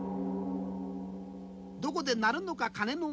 どこで鳴るのか鐘の音。